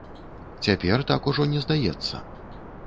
Цяпер так ужо не здаецца.